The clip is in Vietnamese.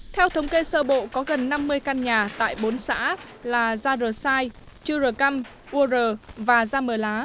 theo thống kê sơ bộ có gần năm mươi căn nhà tại bốn xã là gia rờ sai chư rờ căm u rờ và gia mờ lá